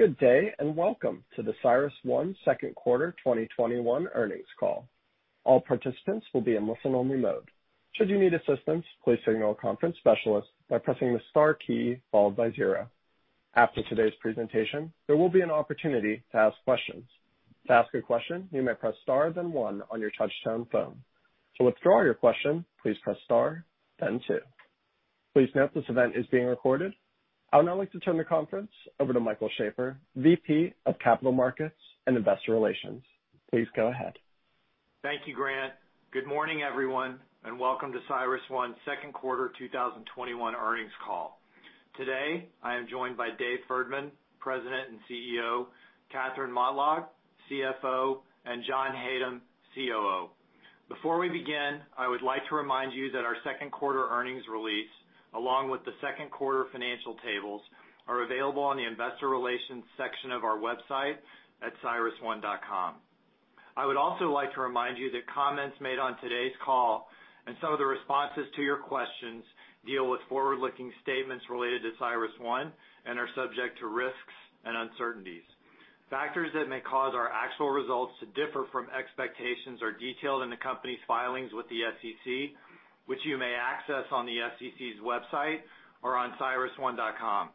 Good day. Welcome to the CyrusOne Second Quarter 2021 Earnings Call. All participants will be in listen-only mode. Should you need assistance, please signal the conference assistant by pressing the star key followed by zero. After today's presentation, there will be an opportunity to ask questions. To ask a question, you may press star then one on your touch-tone phone. To withdraw your question, press star, then two. Please note this event is being recorded. I would now like to turn the conference over to Michael Schafer, VP of Capital Markets and Investor Relations. Please go ahead. Thank you, Grant. Good morning, everyone. Welcome to CyrusOne's Second Quarter 2021 Earnings Call. Today, I am joined by Dave Ferdman, President and CEO, Katherine Motlagh, CFO, and John Hatem, COO. Before we begin, I would like to remind you that our second quarter earnings release, along with the second quarter financial tables, are available on the investor relations section of our website at cyrusone.com. I also would like to remind you that comments made on today's call and some of the responses to your questions deal with forward-looking statements related to CyrusOne and are subject to risks and uncertainties. Factors that may cause our actual results to differ from expectations are detailed in the company's filings with the SEC, which you may access on the SEC's website or on cyrusone.com.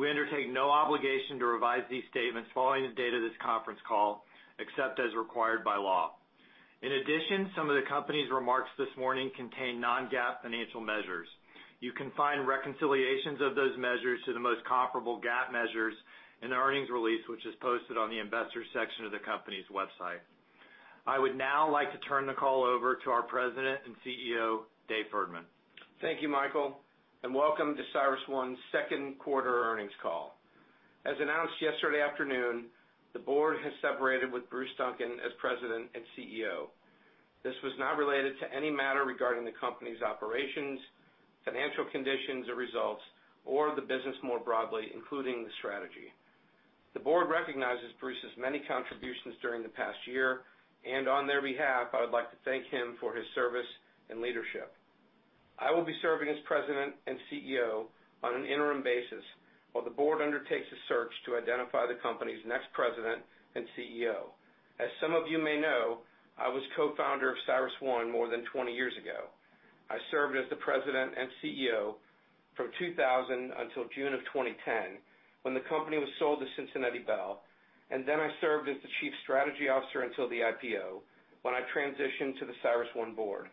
We undertake no obligation to revise these statements following the date of this conference call, except as required by law. In addition, some of the company's remarks this morning contain non-GAAP financial measures. You can find reconciliations of those measures to the most comparable GAAP measures in the earnings release, which is posted on the investors section of the company's website. I would now like to turn the call over to our President and CEO, Dave Ferdman. Thank you, Michael, and welcome to CyrusOne's second quarter earnings call. As announced yesterday afternoon, the board has separated with Bruce Duncan as President and CEO. This was not related to any matter regarding the company's operations, financial conditions or results, or the business more broadly, including the strategy. The board recognizes Bruce's many contributions during the past year, and on their behalf, I would like to thank him for his service and leadership. I will be serving as President and CEO on an interim basis while the board undertakes a search to identify the company's next President and CEO. As some of you may know, I was co-founder of CyrusOne more than 20 years ago. I served as the President and CEO from 2000 until June of 2010, when the company was sold to Cincinnati Bell, and then I served as the Chief Strategy Officer until the IPO, when I transitioned to the CyrusOne Board.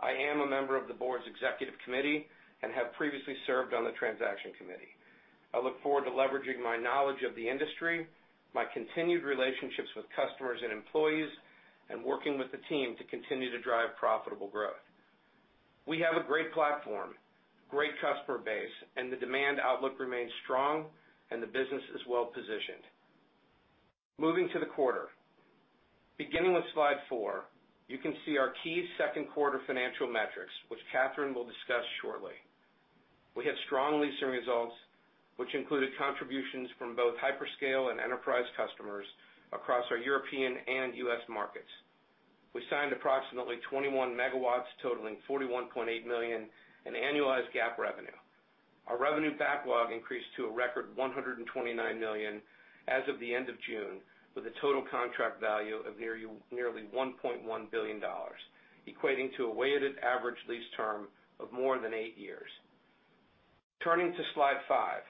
I am a member of the Board's Executive Committee and have previously served on the Transaction Committee. I look forward to leveraging my knowledge of the industry, my continued relationships with customers and employees, and working with the team to continue to drive profitable growth. We have a great platform, great customer base, and the demand outlook remains strong and the business is well-positioned. Moving to the quarter. Beginning with slide 4, you can see our key second quarter financial metrics, which Katherine will discuss shortly. We had strong leasing results, which included contributions from both hyperscale and enterprise customers across our European and U.S. markets. We signed approximately 21 megawatts totaling $41.8 million in annualized GAAP revenue. Our revenue backlog increased to a record $129 million as of the end of June, with a total contract value of nearly $1.1 billion, equating to a weighted average lease term of more than eight years. Turning to slide 5.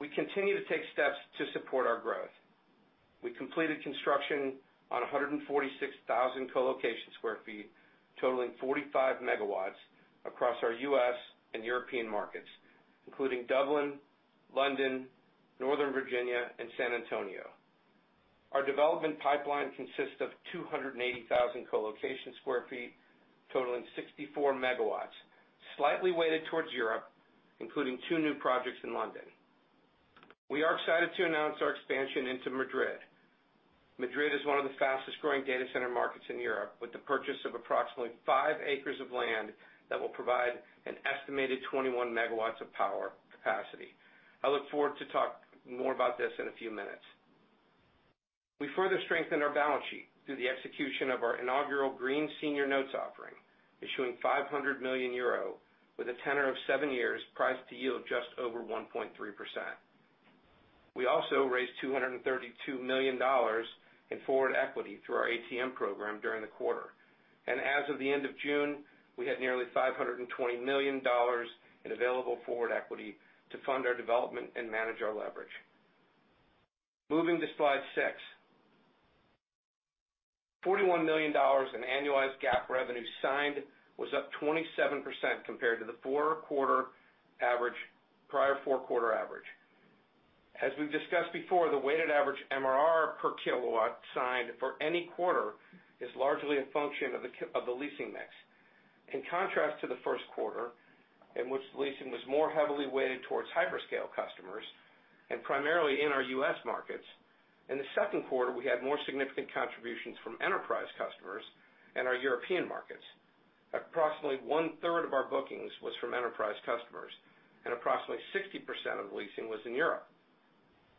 We continue to take steps to support our growth. We completed construction on 146,000 colocation sq ft, totaling 45 megawatts across our U.S. and European markets, including Dublin, London, Northern Virginia, and San Antonio. Our development pipeline consists of 280,000 colocation sq ft, totaling 64 megawatts, slightly weighted towards Europe, including two new projects in London. We are excited to announce our expansion into Madrid. Madrid is one of the fastest-growing data center markets in Europe, with the purchase of approximately 5 acres of land that will provide an estimated 21 megawatts of power capacity. I look forward to talk more about this in a few minutes. We further strengthened our balance sheet through the execution of our inaugural green senior notes offering, issuing 500 million euro with a tenor of seven years priced to yield just over 1.3%. We also raised $232 million in forward equity through our ATM program during the quarter. As of the end of June, we had nearly $520 million in available forward equity to fund our development and manage our leverage. Moving to slide 6. $41 million in annualized GAAP revenue signed was up 27% compared to the prior four-quarter average. As we've discussed before, the weighted average MRR per kilowatt signed for any quarter is largely a function of the leasing mix. In contrast to the first quarter, in which the leasing was more heavily weighted towards hyperscale customers and primarily in our U.S. markets, in the second quarter, we had more significant contributions from enterprise customers in our European markets. Approximately one-third of our bookings was from enterprise customers, and approximately 60% of the leasing was in Europe.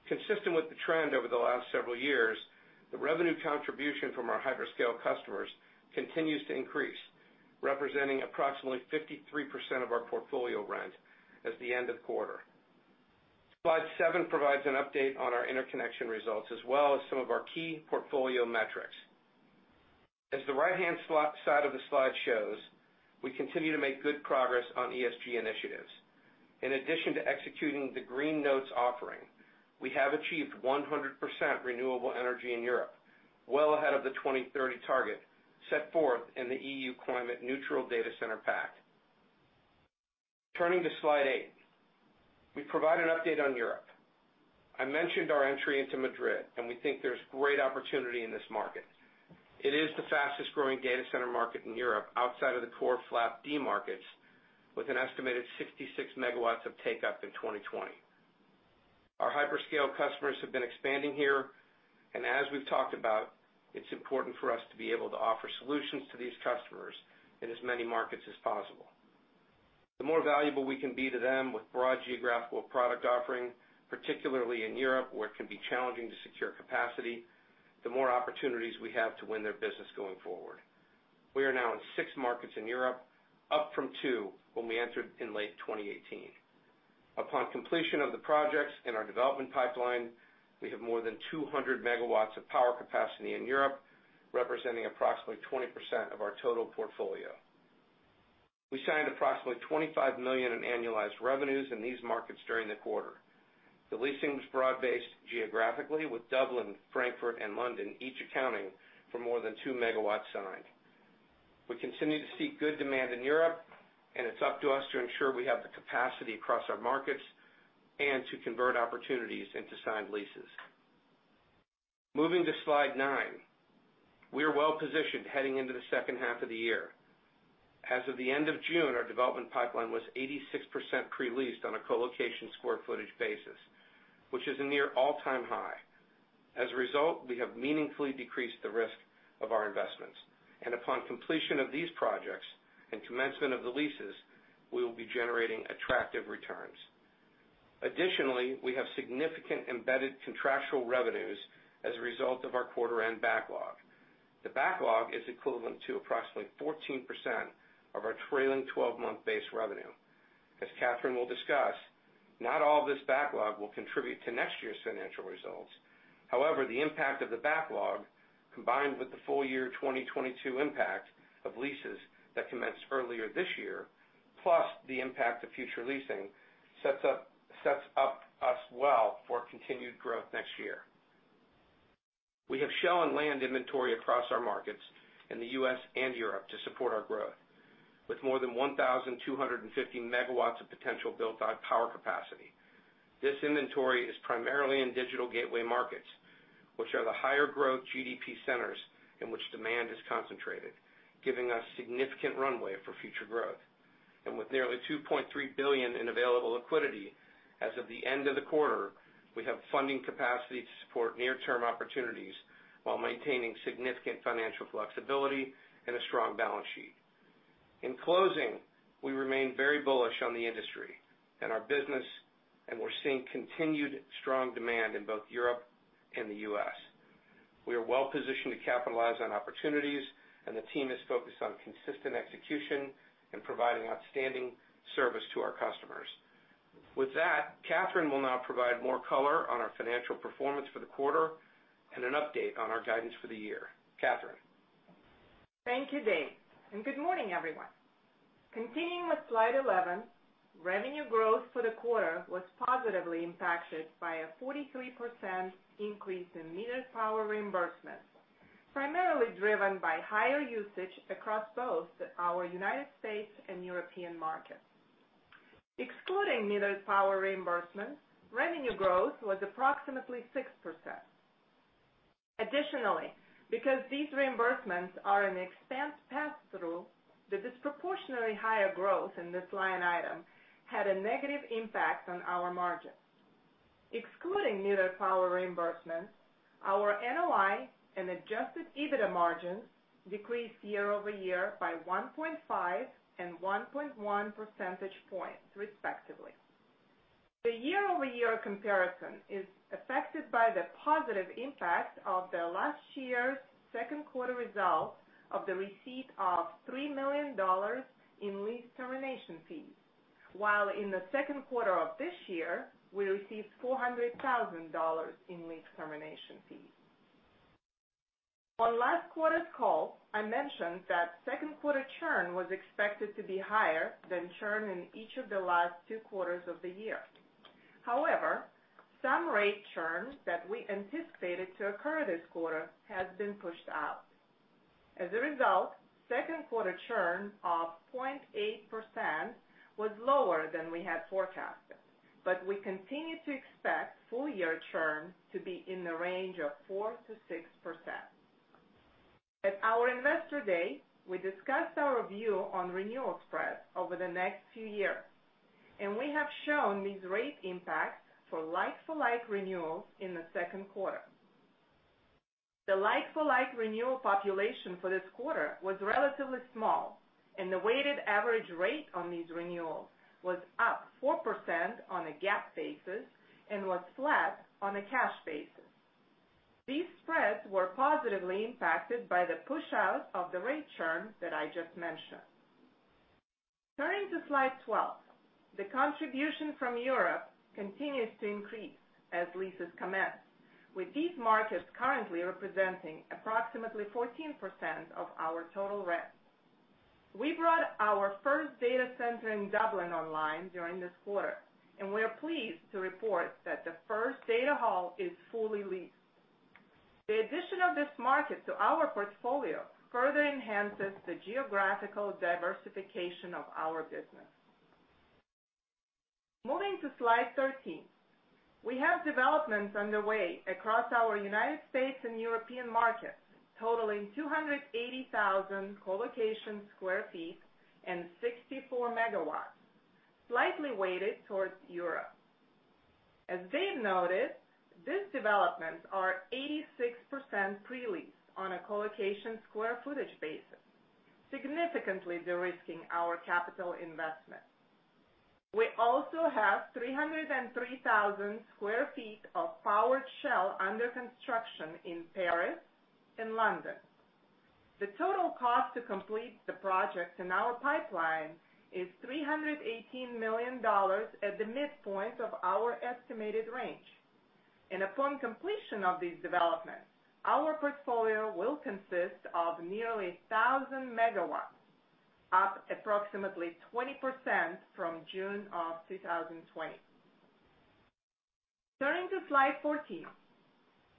Consistent with the trend over the last several years, the revenue contribution from our hyperscale customers continues to increase. Representing approximately 53% of our portfolio rent at the end of the quarter. Slide 7 provides an update on our interconnection results, as well as some of our key portfolio metrics. As the right-hand side of the slide shows, we continue to make good progress on ESG initiatives. In addition to executing the green notes offering, we have achieved 100% renewable energy in Europe, well ahead of the 2030 target set forth in the Climate Neutral Data Centre Pact. Turning to slide 8, we provide an update on Europe. I mentioned our entry into Madrid, and we think there's great opportunity in this market. It is the fastest growing data center market in Europe outside of the core FLAP-D markets, with an estimated 66 MW of take up in 2020. Our hyperscale customers have been expanding here, and as we've talked about, it's important for us to be able to offer solutions to these customers in as many markets as possible. The more valuable we can be to them with broad geographical product offering, particularly in Europe, where it can be challenging to secure capacity, the more opportunities we have to win their business going forward. We are now in six markets in Europe, up from two when we entered in late 2018. Upon completion of the projects in our development pipeline, we have more than 200 MW of power capacity in Europe, representing approximately 20% of our total portfolio. We signed approximately $25 million in annualized revenues in these markets during the quarter. The leasing was broad-based geographically with Dublin, Frankfurt, and London, each accounting for more than 2 MW signed. We continue to see good demand in Europe, and it's up to us to ensure we have the capacity across our markets and to convert opportunities into signed leases. Moving to slide 9. We are well positioned heading into the second half of the year. As of the end of June, our development pipeline was 86% pre-leased on a co-location sq ft basis, which is a near all-time high. As a result, we have meaningfully decreased the risk of our investments, and upon completion of these projects and commencement of the leases, we will be generating attractive returns. Additionally, we have significant embedded contractual revenues as a result of our quarter end backlog. The backlog is equivalent to approximately 14% of our trailing 12-month base revenue. As Katherine will discuss, not all of this backlog will contribute to next year's financial results. However, the impact of the backlog, combined with the full year 2022 impact of leases that commenced earlier this year, plus the impact of future leasing, sets up us well for continued growth next year. We have shown land inventory across our markets in the U.S. and Europe to support our growth. With more than 1,250 megawatts of potential buildable power capacity. This inventory is primarily in digital gateway markets, which are the higher growth GDP centers in which demand is concentrated, giving us significant runway for future growth. With nearly $2.3 billion in available liquidity as of the end of the quarter, we have funding capacity to support near-term opportunities while maintaining significant financial flexibility and a strong balance sheet. In closing, we remain very bullish on the industry and our business, and we're seeing continued strong demand in both Europe and the U.S. We are well positioned to capitalize on opportunities, and the team is focused on consistent execution and providing outstanding service to our customers. With that, Katherine will now provide more color on our financial performance for the quarter and an update on our guidance for the year. Katherine? Thank you, Dave, and good morning, everyone. Continuing with slide 11, revenue growth for the quarter was positively impacted by a 43% increase in metered power reimbursement, primarily driven by higher usage across both our U.S. and European markets. Excluding metered power reimbursement, revenue growth was approximately 6%. Additionally, because these reimbursements are an expense pass-through, the disproportionately higher growth in this line item had a negative impact on our margins. Excluding metered power reimbursements, our NOI and Adjusted EBITDA margins decreased year-over-year by 1.5 and 1.1 percentage points, respectively. The year-over-year comparison is affected by the positive impact of the last year's second quarter results of the receipt of $3 million in lease termination fees. While in the second quarter of this year, we received $400,000 in lease termination fees. On last quarter's call, I mentioned that second quarter churn was expected to be higher than churn in each of the last two quarters of the year. Some rate churn that we anticipated to occur this quarter has been pushed out. As a result, second quarter churn of 0.8% was lower than we had forecasted, but we continue to expect full year churn to be in the range of 4%-6%. At our Investor Day, we discussed our view on renewal spreads over the next few years, and we have shown these rate impacts for like-for-like renewals in the second quarter. The like-for-like renewal population for this quarter was relatively small, and the weighted average rate on these renewals was up 4% on a GAAP basis and was flat on a cash basis. These spreads were positively impacted by the pushout of the rate churn that I just mentioned. Turning to slide 12. The contribution from Europe continues to increase as leases commence, with these markets currently representing approximately 14% of our total rent. We brought our first data center in Dublin online during this quarter, and we are pleased to report that the first data hall is fully leased. The addition of this market to our portfolio further enhances the geographical diversification of our business. Moving to slide 13. We have developments underway across our U.S. and European markets totaling 280,000 colocation sq ft and 64 MW, slightly weighted towards Europe. As Dave noted, these developments are 86% pre-leased on a colocation square footage basis, significantly de-risking our capital investment. We also have 303,000 sq ft of powered shell under construction in Paris and London. The total cost to complete the projects in our pipeline is $318 million at the midpoint of our estimated range. Upon completion of these developments, our portfolio will consist of nearly 1,000 megawatts, up approximately 20% from June of 2020. Turning to slide 14.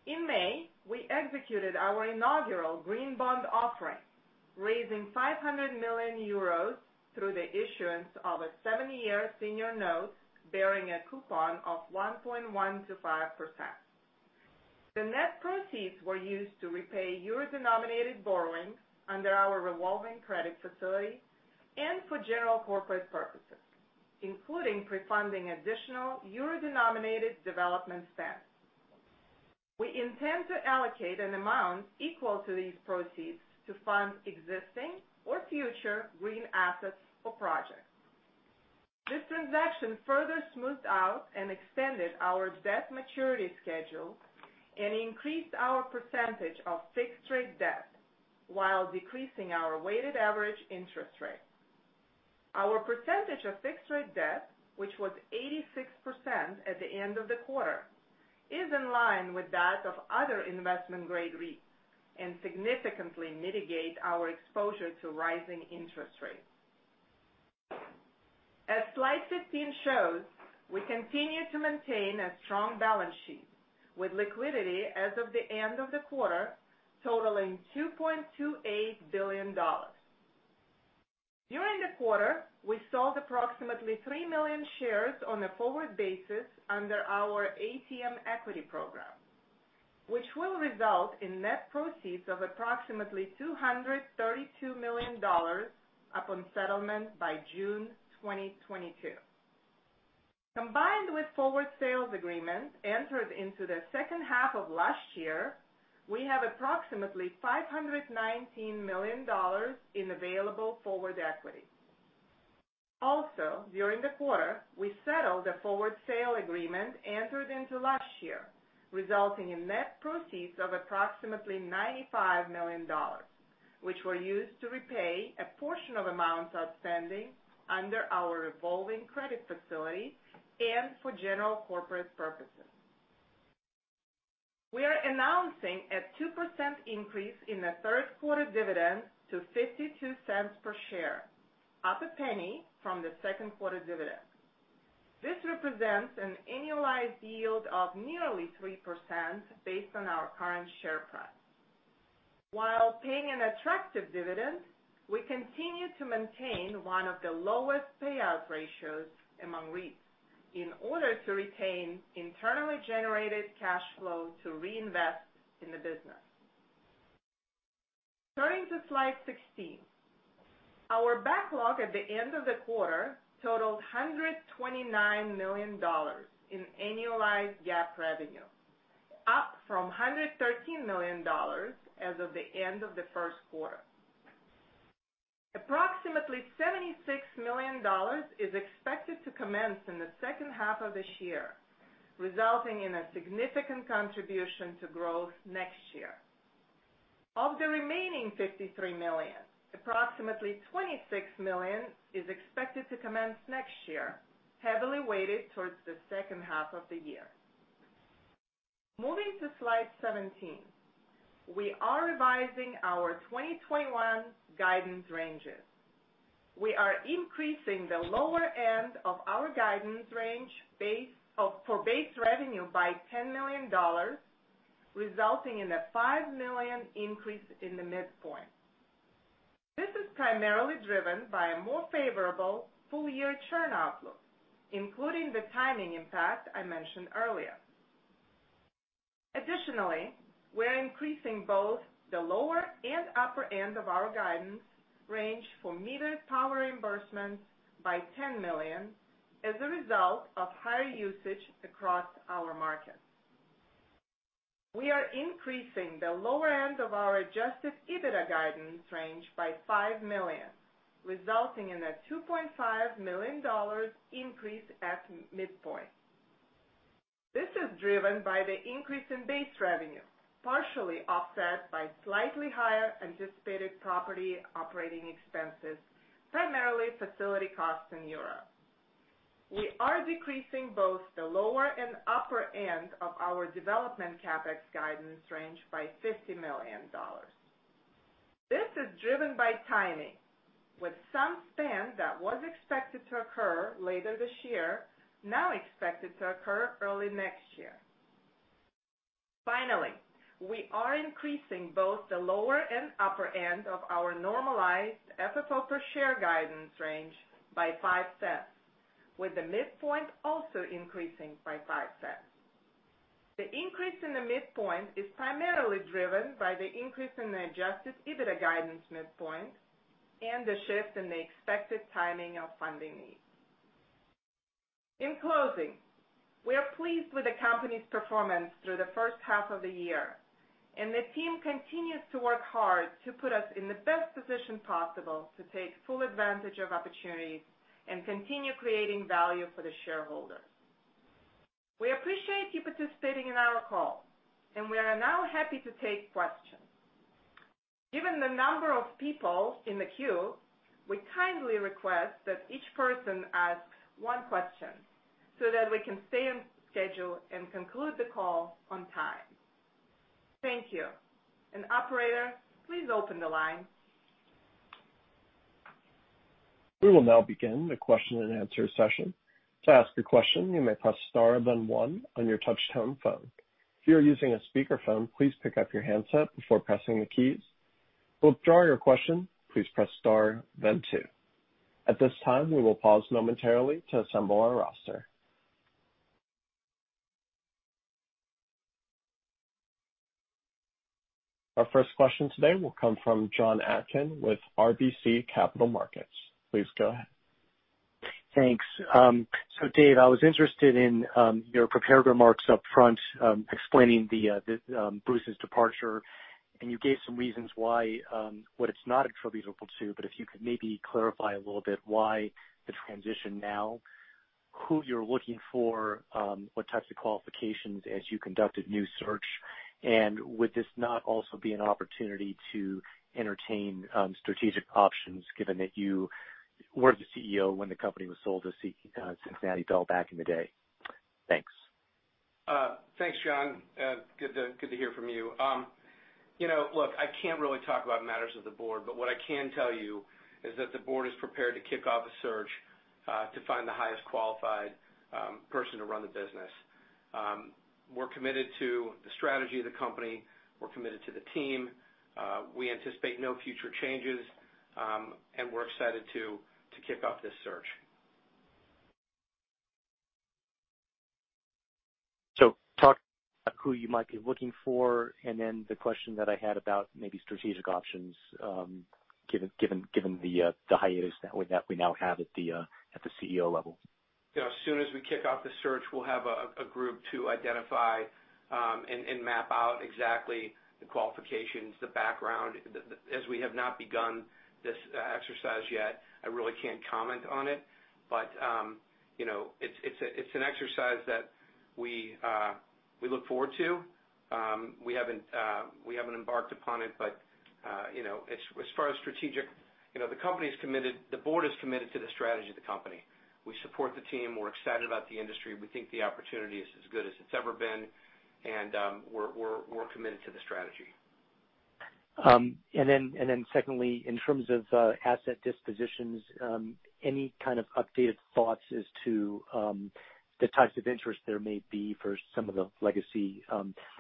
In May, we executed our inaugural green bond offering, raising 500 million euros through the issuance of a seven-year senior note bearing a coupon of 1.125%. The net proceeds were used to repay euro-denominated borrowings under our revolving credit facility and for general corporate purposes, including pre-funding additional euro-denominated development spend. We intend to allocate an amount equal to these proceeds to fund existing or future green assets or projects. This transaction further smoothed out and extended our debt maturity schedule and increased our percentage of fixed-rate debt while decreasing our weighted average interest rate. Our percentage of fixed-rate debt, which was 86% at the end of the quarter, is in line with that of other investment-grade REITs and significantly mitigate our exposure to rising interest rates. As slide 15 shows, we continue to maintain a strong balance sheet with liquidity as of the end of the quarter totaling $2.28 billion. During the quarter, we sold approximately 3 million shares on a forward basis under our ATM equity program, which will result in net proceeds of approximately $232 million upon settlement by June 2022. Combined with forward sales agreement entered into the second half of last year, we have approximately $519 million in available forward equity. Also, during the quarter, we settled a forward sale agreement entered into last year, resulting in net proceeds of approximately $95 million, which were used to repay a portion of amounts outstanding under our revolving credit facility and for general corporate purposes. We are announcing a 2% increase in the third quarter dividend to $0.52 per share, up $0.01 from the second quarter dividend. This represents an annualized yield of nearly 3% based on our current share price. While paying an attractive dividend, we continue to maintain one of the lowest payout ratios among REITs in order to retain internally generated cash flow to reinvest in the business. Turning to slide 16. Our backlog at the end of the quarter totaled $129 million in annualized GAAP revenue, up from $113 million as of the end of the first quarter. Approximately $76 million is expected to commence in the second half of this year, resulting in a significant contribution to growth next year. Of the remaining $53 million, approximately $26 million is expected to commence next year, heavily weighted towards the second half of the year. Moving to slide 17. We are revising our 2021 guidance ranges. We are increasing the lower end of our guidance range for base revenue by $10 million, resulting in a $5 million increase in the midpoint. This is primarily driven by a more favorable full-year churn outlook, including the timing impact I mentioned earlier. Additionally, we're increasing both the lower and upper end of our guidance range for metered power reimbursements by $10 million as a result of higher usage across our markets. We are increasing the lower end of our Adjusted EBITDA guidance range by $5 million. Resulting in a $2.5 million increase at midpoint. This is driven by the increase in base revenue, partially offset by slightly higher anticipated property operating expenses, primarily facility costs in Europe. We are decreasing both the lower and upper end of our development CapEx guidance range by $50 million. This is driven by timing, with some spend that was expected to occur later this year, now expected to occur early next year. Finally, we are increasing both the lower and upper end of our normalized FFO per share guidance range by $0.05, with the midpoint also increasing by $0.05. The increase in the midpoint is primarily driven by the increase in the Adjusted EBITDA guidance midpoint and the shift in the expected timing of funding needs. In closing, we are pleased with the company's performance through the first half of the year, and the team continues to work hard to put us in the best position possible to take full advantage of opportunities and continue creating value for the shareholders. We appreciate you participating in our call, and we are now happy to take questions. Given the number of people in the queue, we kindly request that each person asks one question so that we can stay on schedule and conclude the call on time. Thank you, and operator, please open the line. We will now begin the question and answer session. To ask a question, you may press star then one on your touch-tone phone. If you are using a speaker phone, please pick-up your handset before pressing the keys. To withdraw your question, please press star then two. At this time, we will pause momentarily to assemble our roster. Our first question today will come from Jon Atkin with RBC Capital Markets. Please go ahead. Thanks. Dave, I was interested in your prepared remarks up front explaining Bruce's departure, and you gave some reasons what it's not attributable to, but if you could maybe clarify a little bit why the transition now, who you're looking for, what types of qualifications as you conduct a new search, and would this not also be an opportunity to entertain strategic options given that you weren't the CEO when the company was sold to Cincinnati Bell back in the day? Thanks. Thanks, Jon. Good to hear from you. Look, I can't really talk about matters of the board, but what I can tell you is that the board is prepared to kick off a search to find the highest qualified person to run the business. We're committed to the strategy of the company. We're committed to the team. We anticipate no future changes, and we're excited to kick off this search. Talk about who you might be looking for, and then the question that I had about maybe strategic options given the hiatus that we now have at the CEO level. As soon as we kick off the search, we'll have a group to identify and map out exactly the qualifications, the background. As we have not begun this exercise yet, I really can't comment on it. It's an exercise that we look forward to. We haven't embarked upon it, but as far as strategic, the board is committed to the strategy of the company. We support the team. We're excited about the industry. We think the opportunity is as good as it's ever been, and we're committed to the strategy. Secondly, in terms of asset dispositions, any kind of updated thoughts as to the types of interest there may be for some of the legacy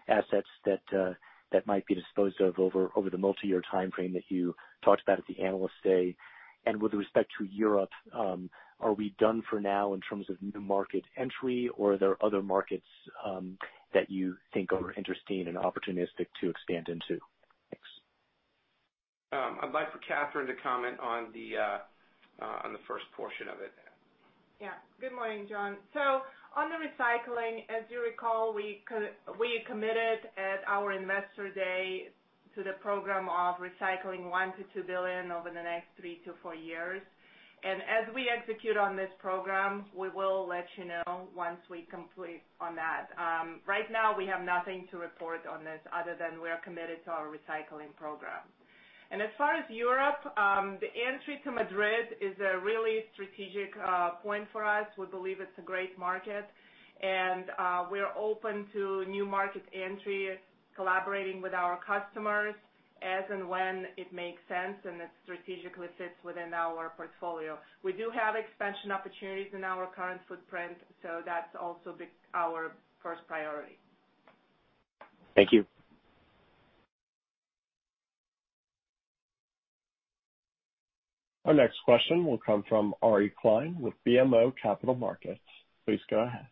assets that might be disposed of over the multi-year timeframe that you talked about at the Analyst Day? With respect to Europe, are we done for now in terms of new market entry, or are there other markets that you think are interesting and opportunistic to expand into? Thanks. I'd like for Katherine to comment on the first portion of it. Yeah. Good morning, Jon. On the recycling, as you recall, we committed at our Investor Day to the program of recycling $1 billion-$2 billion over the next 3-4 years. As we execute on this program, we will let you know once we complete on that. Right now, we have nothing to report on this other than we are committed to our recycling program. As far as Europe, the entry to Madrid is a really strategic point for us. We believe it's a great market, and we are open to new market entry, collaborating with our customers as and when it makes sense and it strategically fits within our portfolio. We do have expansion opportunities in our current footprint, so that's also our first priority. Thank you. Our next question will come from Ari Klein with BMO Capital Markets. Please go ahead.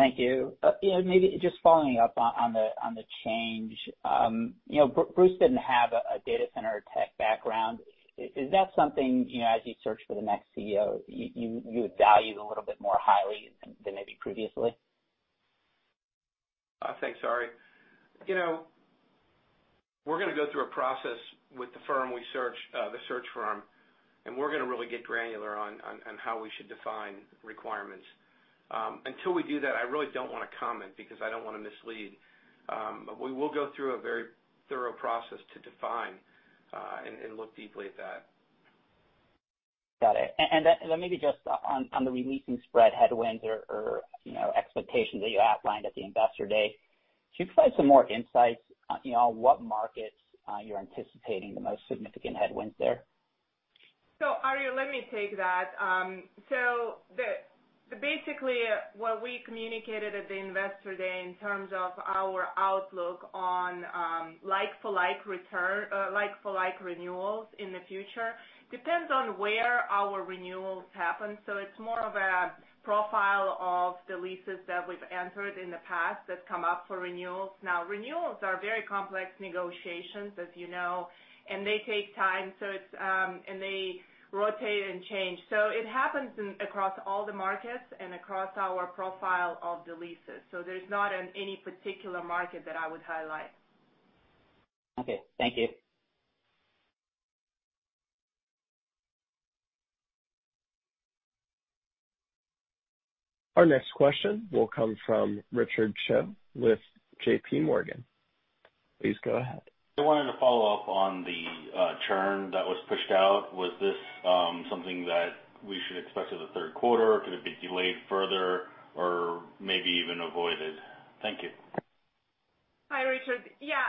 Thank you. Maybe just following up on the change. Bruce didn't have a data center tech background. Is that something, as you search for the next CEO, you would value a little bit more highly than maybe previously? Thanks, Ari. We're going to go through a process with the search firm, and we're going to really get granular on how we should define requirements. Until we do that, I really don't want to comment, because I don't want to mislead. We will go through a very thorough process to define and look deeply at that. Got it. Then maybe just on the re-leasing spread headwinds or expectations that you outlined at the Investor Day, could you provide some more insights on what markets you're anticipating the most significant headwinds there? Ari, let me take that. Basically, what we communicated at the Investor Day in terms of our outlook on like-for-like renewals in the future depends on where our renewals happen. It's more of a profile of the leases that we've entered in the past that come up for renewals now. Renewals are very complex negotiations, as you know, and they take time, and they rotate and change. It happens across all the markets and across our profile of the leases. There's not any particular market that I would highlight. Okay, thank you. Our next question will come from Richard Choe with JPMorgan. Please go ahead. I wanted to follow up on the churn that was pushed out. Was this something that we should expect in the third quarter? Could it be delayed further or maybe even avoided? Thank you. Hi, Richard. Yeah,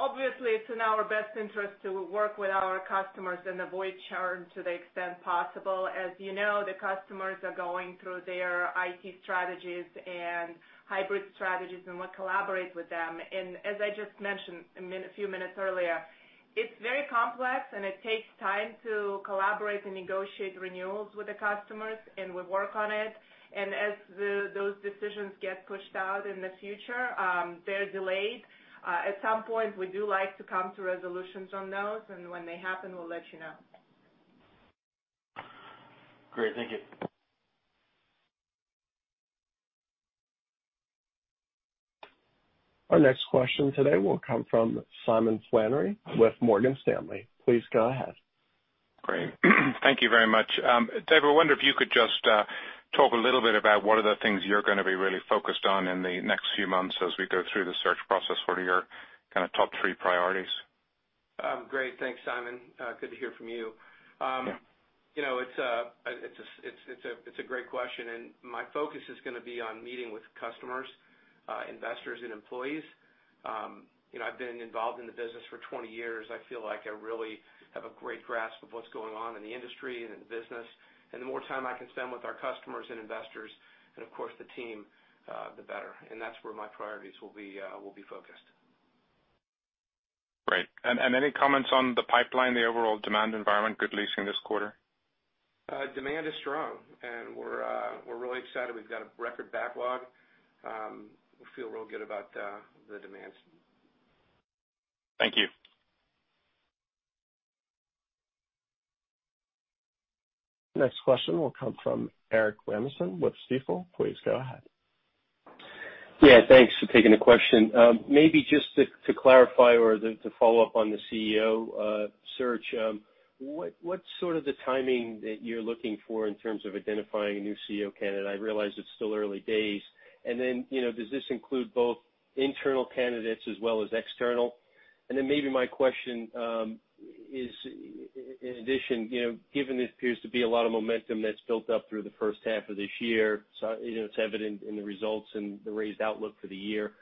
obviously, it's in our best interest to work with our customers and avoid churn to the extent possible. As you know, the customers are going through their IT strategies and hybrid strategies, and we collaborate with them. As I just mentioned a few minutes earlier, it's very complex, and it takes time to collaborate and negotiate renewals with the customers, and we work on it. As those decisions get pushed out in the future, they're delayed. At some point, we do like to come to resolutions on those, and when they happen, we'll let you know. Great. Thank you. Our next question today will come from Simon Flannery with Morgan Stanley. Please go ahead. Great. Thank you very much. Dave, I wonder if you could just talk a little bit about what are the things you're going to be really focused on in the next few months as we go through the search process. What are your top three priorities? Great. Thanks, Simon. Good to hear from you. Yeah. It's a great question. My focus is going to be on meeting with customers, investors and employees. I've been involved in the business for 20 years. I feel like I really have a great grasp of what's going on in the industry and in the business. The more time I can spend with our customers and investors, and of course the team, the better. That's where my priorities will be focused. Great. Any comments on the pipeline, the overall demand environment, good leasing this quarter? Demand is strong, and we're really excited. We've got a record backlog. We feel real good about the demands. Thank you. Next question will come from Erik Rasmussen with Stifel. Please go ahead. Yeah, thanks for taking the question. Maybe just to clarify or to follow up on the CEO search. What's sort of the timing that you're looking for in terms of identifying a new CEO candidate? I realize it's still early days. Does this include both internal candidates as well as external? Maybe my question is, in addition, given there appears to be a lot of momentum that's built up through the first half of this year, it's evident in the results and the raised outlook for the year,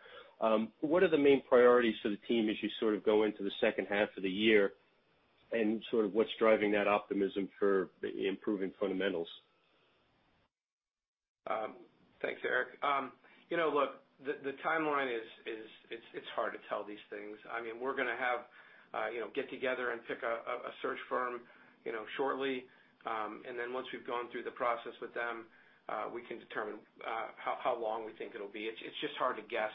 what are the main priorities for the team as you go into the second half of the year? What's driving that optimism for improving fundamentals? Thanks, Erik. The timeline, it's hard to tell these things. We're going to get together and pick a search firm shortly, once we've gone through the process with them, we can determine how long we think it'll be. It's just hard to guess.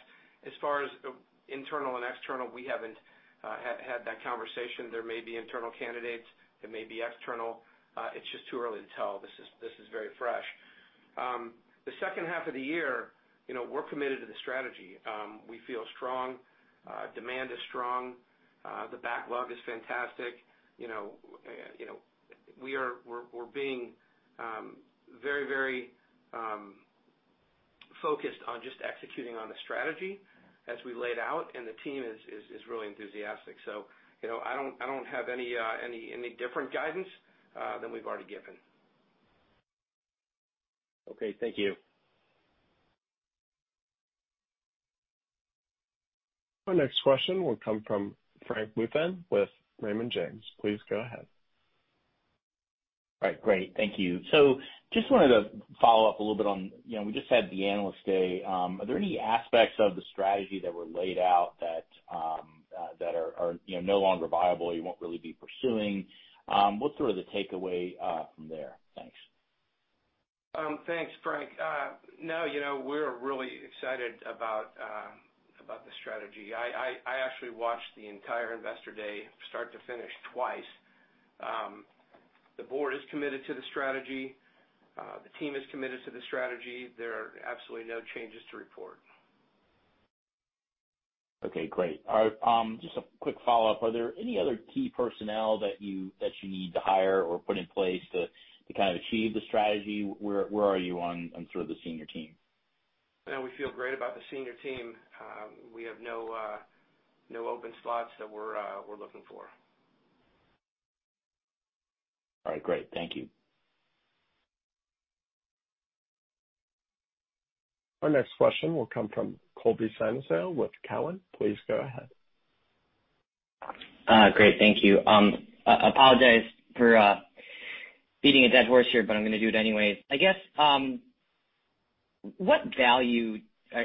As far as internal and external, we haven't had that conversation. There may be internal candidates, there may be external. It's just too early to tell. This is very fresh. The second half of the year, we're committed to the strategy. We feel strong. Demand is strong. The backlog is fantastic. We're being very focused on just executing on the strategy as we laid out, and the team is really enthusiastic. I don't have any different guidance than we've already given. Okay, thank you. Our next question will come from Frank Louthan with Raymond James. Please go ahead. Right. Great. Thank you. Just wanted to follow up a little bit on, we just had the Analyst Day. Are there any aspects of the strategy that were laid out that are no longer viable or you won't really be pursuing? What's sort of the takeaway from there? Thanks. Thanks, Frank. We're really excited about the strategy. I actually watched the entire Investor Day start to finish twice. The board is committed to the strategy. The team is committed to the strategy. There are absolutely no changes to report. Okay, great. All right. Just a quick follow-up. Are there any other key personnel that you need to hire or put in place to achieve the strategy? Where are you on sort of the senior team? No, we feel great about the senior team. We have no open slots that we're looking for. All right, great. Thank you. Our next question will come from Colby Synesael with Cowen. Please go ahead. Great. Thank you. Apologize for beating a dead horse here, but I'm going to do it anyways. I guess, what value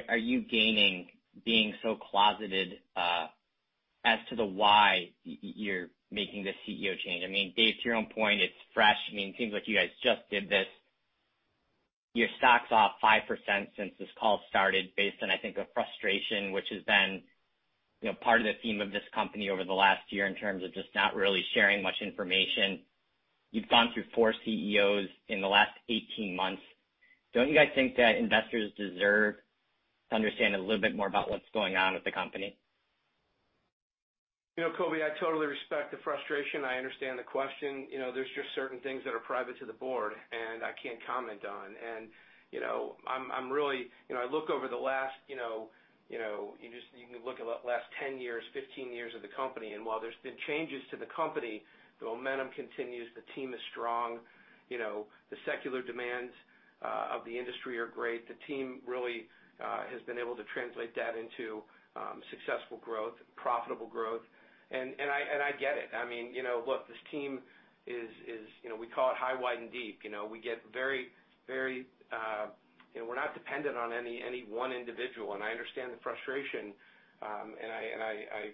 are you gaining being so closeted as to the why you're making the CEO change? Dave, to your own point, it's fresh. It seems like you guys just did this. Your stock's off 5% since this call started based on, I think, a frustration, which has been part of the theme of this company over the last year in terms of just not really sharing much information. You've gone through four CEOs in the last 18 months. Don't you guys think that investors deserve to understand a little bit more about what's going on with the company? Colby, I totally respect the frustration. I understand the question. There's just certain things that are private to the board, and I can't comment on. I look over the last 10 years, 15 years of the company, and while there's been changes to the company, the momentum continues. The team is strong. The secular demands of the industry are great. The team really has been able to translate that into successful growth, profitable growth. I get it. Look, this team is, we call it high, wide and deep. We're not dependent on any one individual, and I understand the frustration. I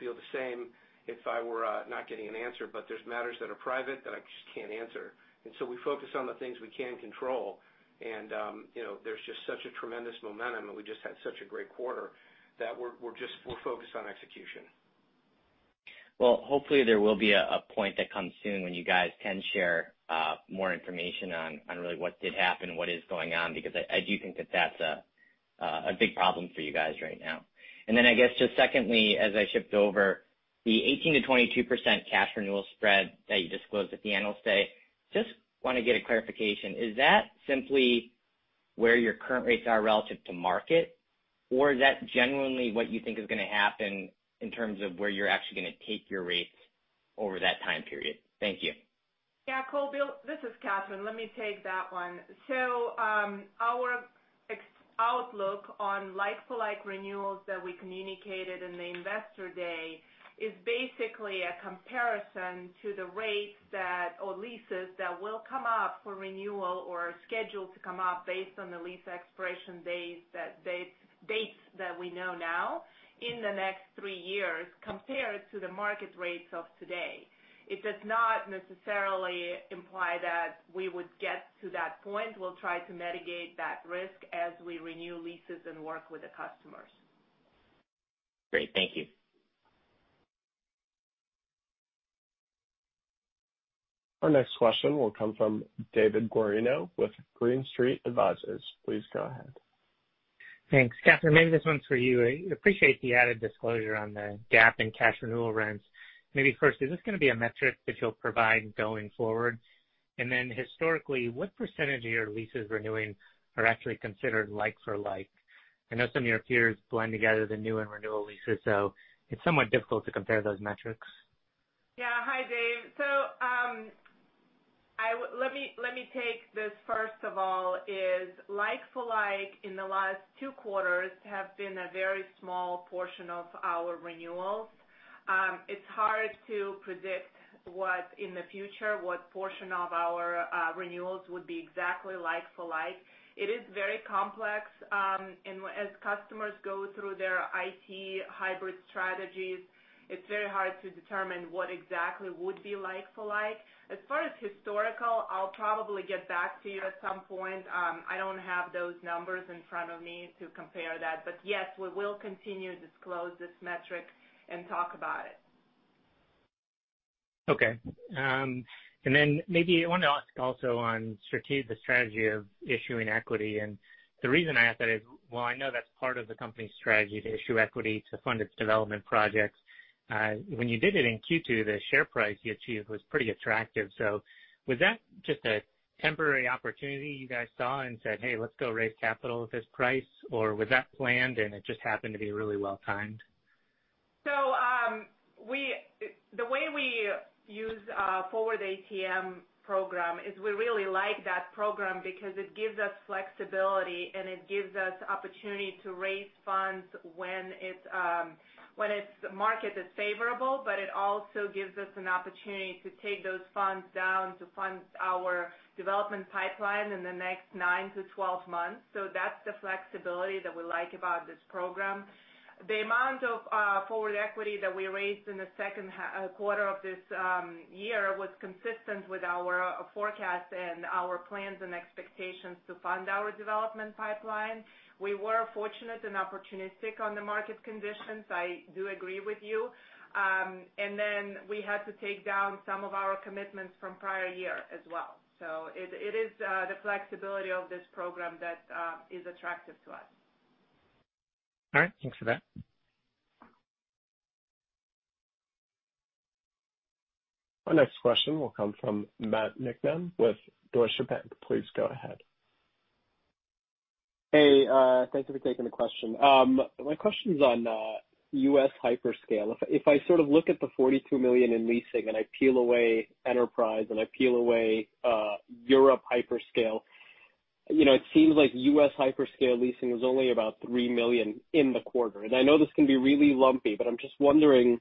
feel the same if I were not getting an answer. There's matters that are private that I just can't answer. Until we focus on the things we can control, and there's just such a tremendous momentum, and we just had such a great quarter that we're focused on execution. Well, hopefully, there will be a point that comes soon when you guys can share more information on really what did happen, what is going on, because I do think that that's a big problem for you guys right now. I guess, just secondly, as I shift over, the 18%-22% cash renewal spread that you disclosed at the Analyst Day, just want to get a clarification. Is that simply where your current rates are relative to market, or is that genuinely what you think is going to happen in terms of where you're actually going to take your rates over that time period? Thank you. Yeah, Colby, this is Katherine. Let me take that one. Our outlook on like-for-like renewals that we communicated in the Investor Day is basically a comparison to the rates or leases that will come up for renewal or are scheduled to come up based on the lease expiration dates that we know now in the next three years compared to the market rates of today. It does not necessarily imply that we would get to that point. We'll try to mitigate that risk as we renew leases and work with the customers. Great. Thank you. Our next question will come from David Guarino with Green Street Advisors. Please go ahead. Thanks. Katherine, maybe this one's for you. I appreciate the added disclosure on the GAAP in cash renewal rents. Maybe first, is this going to be a metric that you'll provide going forward? Historically, what percentage of your leases renewing are actually considered like-for-like? I know some of your peers blend together the new and renewal leases, it's somewhat difficult to compare those metrics. Yeah. Hi, Dave. Let me take this first of all is like-for-like in the last two quarters have been a very small portion of our renewals. It's hard to predict what in the future, what portion of our renewals would be exactly like-for-like. It is very complex, and as customers go through their IT hybrid strategies, it's very hard to determine what exactly would be like-for-like. As far as historical, I'll probably get back to you at some point. I don't have those numbers in front of me to compare that. Yes, we will continue to disclose this metric and talk about it. Okay. Maybe I wanted to ask also on the strategy of issuing equity. The reason I ask that is, while I know that's part of the company's strategy to issue equity to fund its development projects, when you did it in Q2, the share price you achieved was pretty attractive. Was that just a temporary opportunity you guys saw and said, "Hey, let's go raise capital at this price," or was that planned, and it just happened to be really well-timed? The way we use our forward ATM program is we really like that program because it gives us flexibility, and it gives us opportunity to raise funds when the market is favorable. It also gives us an opportunity to take those funds down to fund our development pipeline in the next 9-12 months. That's the flexibility that we like about this program. The amount of forward equity that we raised in the second quarter of this year was consistent with our forecast and our plans and expectations to fund our development pipeline. We were fortunate and opportunistic on the market conditions, I do agree with you. Then we had to take down some of our commitments from prior year as well. It is the flexibility of this program that is attractive to us. All right. Thanks for that. Our next question will come from Matt Niknam with Deutsche Bank. Please go ahead. Hey, thanks for taking the question. My question's on U.S. hyperscale. If I sort of look at the $42 million in leasing, and I peel away enterprise, and I peel away Europe hyperscale, it seems like U.S. hyperscale leasing was only about $3 million in the quarter. I know this can be really lumpy, but I'm just wondering,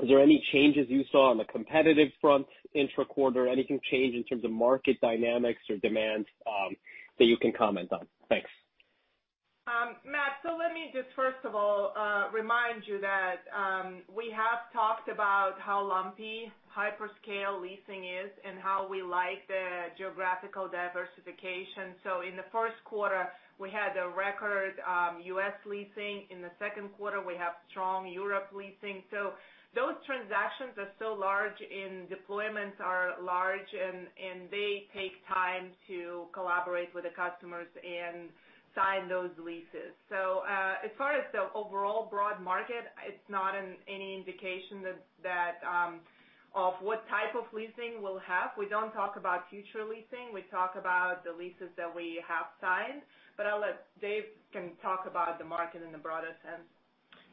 is there any changes you saw on the competitive front intra-quarter, anything change in terms of market dynamics or demands that you can comment on? Thanks. Matt, let me just first of all remind you that we have talked about how lumpy hyperscale leasing is and how we like the geographical diversification. In the first quarter, we had a record U.S. leasing. In the second quarter, we have strong Europe leasing. Those transactions are so large and deployments are large, and they take time to collaborate with the customers and sign those leases. As far as the overall broad market, it's not any indication of what type of leasing we'll have. We don't talk about future leasing. We talk about the leases that we have signed. I'll let Dave talk about the market in the broadest sense.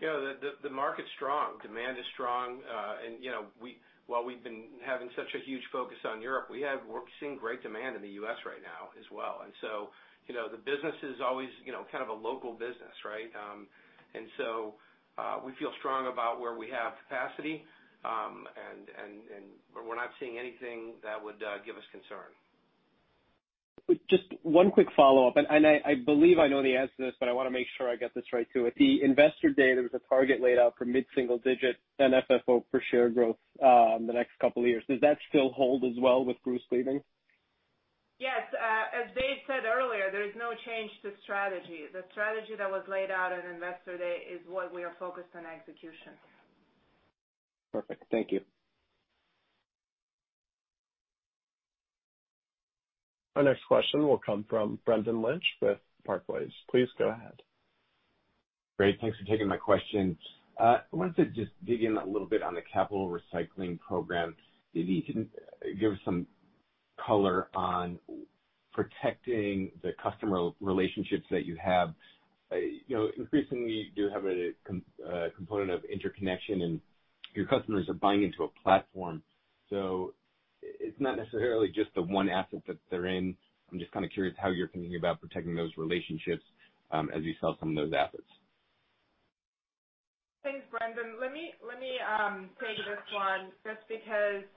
Yeah. The market's strong. Demand is strong. While we've been having such a huge focus on Europe, we're seeing great demand in the U.S. right now as well. The business is always kind of a local business, right? We feel strong about where we have capacity. We're not seeing anything that would give us concern. Just one quick follow-up, and I believe I know the answer to this, but I want to make sure I get this right, too. At the Investor Day, there was a target laid out for mid-single digit and FFO per share growth in the next couple of years. Does that still hold as well with Bruce leaving? Yes. As David said earlier, there is no change to strategy. The strategy that was laid out at Investor Day is what we are focused on executing. Perfect. Thank you. Our next question will come from Brendan Lynch with Barclays. Please go ahead. Great. Thanks for taking my question. I wanted to just dig in a little bit on the capital recycling program. Maybe you can give some color on protecting the customer relationships that you have. Increasingly, you do have a component of interconnection. Your customers are buying into a platform. It's not necessarily just the one asset that they're in. I'm just kind of curious how you're thinking about protecting those relationships as you sell some of those assets. Thanks, Brendan. Let me take this one just because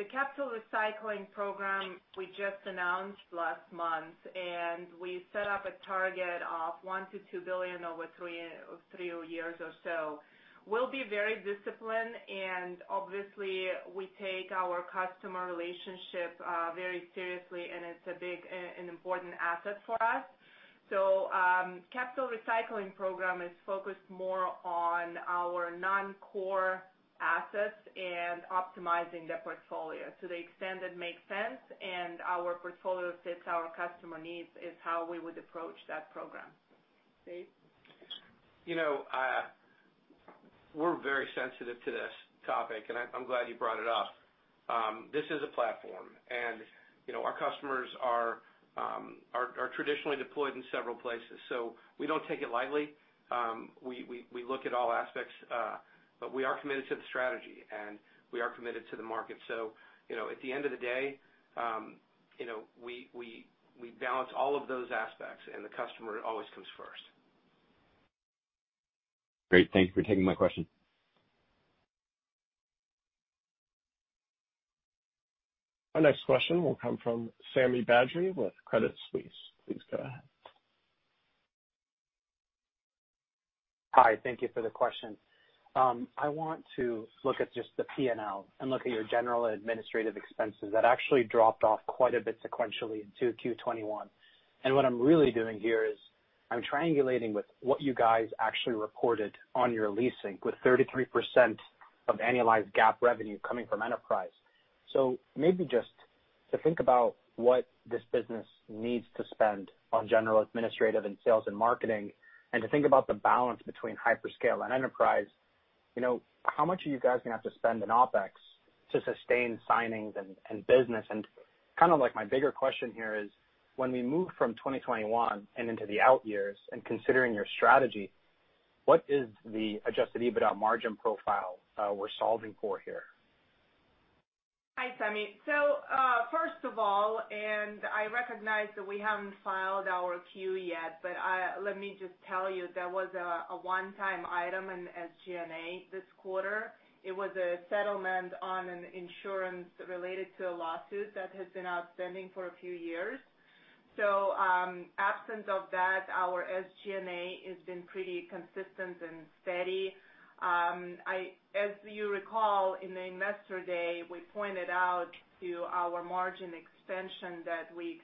the capital recycling program we just announced last month, and we set up a target of $1 billion-$2 billion over three years or so. We'll be very disciplined, and obviously we take our customer relationship very seriously, and it's a big and important asset for us. Capital recycling program is focused more on our non-core assets and optimizing the portfolio to the extent it makes sense, and our portfolio fits our customer needs is how we would approach that program. Dave? We're very sensitive to this topic, and I'm glad you brought it up. This is a platform, and our customers are traditionally deployed in several places, so we don't take it lightly. We look at all aspects. We are committed to the strategy, and we are committed to the market. At the end of the day, we balance all of those aspects, and the customer always comes first. Great. Thank you for taking my question. Our next question will come from Sami Badri with Credit Suisse. Please go ahead. Hi. Thank you for the question. I want to look at just the P&L and look at your general administrative expenses. That actually dropped off quite a bit sequentially into Q2 2021. What I'm really doing here is I'm triangulating with what you guys actually reported on your leasing, with 33% of annualized GAAP revenue coming from enterprise. Maybe just to think about what this business needs to spend on general administrative and sales and marketing, and to think about the balance between hyperscale and enterprise. How much are you guys going to have to spend in OpEx to sustain signings and business? My bigger question here is, when we move from 2021 and into the out years, and considering your strategy, what is the Adjusted EBITDA margin profile we're solving for here? Hi, Sami. First of all, I recognize that we haven't filed our Q yet, but let me just tell you, there was a one-time item in SG&A this quarter. It was a settlement on an insurance related to a lawsuit that has been outstanding for a few years. Absence of that, our SG&A has been pretty consistent and steady. As you recall, in the Investor Day, we pointed out to our margin expansion that we